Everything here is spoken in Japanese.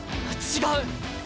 違う！